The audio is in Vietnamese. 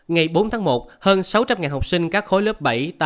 ngày bốn tháng một hơn sáu trăm linh học sinh các khối lớp bảy tám